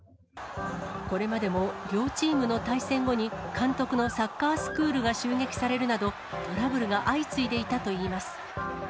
これまでも両チームの対戦後に監督のサッカースクールが襲撃されるなど、トラブルが相次いでいたといいます。